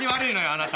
あなた。